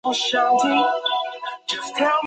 博泽蒙。